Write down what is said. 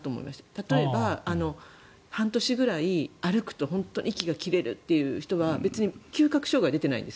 例えば、半年ぐらい歩くと本当に息が切れるという人は別に嗅覚障害は出てないんです。